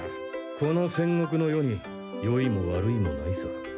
この戦国の世によいも悪いもないさ。